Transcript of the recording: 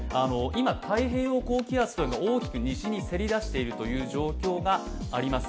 今、太平洋高気圧というのが大きく西にせり出しているという状況があります。